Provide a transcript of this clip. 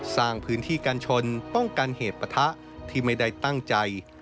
สร้างพื้นที่กันชนป้องกันเหตุปะทะที่ไม่ได้ตั้งใจ